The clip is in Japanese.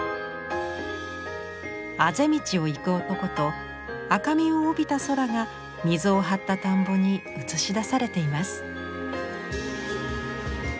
あぜ道を行く男と赤みを帯びた空が水を張った田んぼに映し出されています。